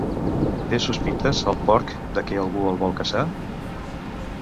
Té sospites el porc de què algú el vol caçar?